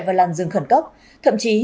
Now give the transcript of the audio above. vào làn dừng khẩn cấp thậm chí